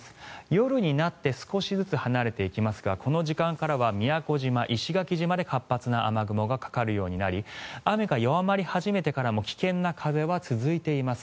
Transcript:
夜になって少しずつ離れていきますがこの時間からは宮古島、石垣島で活発な雨雲がかかるようになり雨が弱まり始めてからも危険な風は続いています。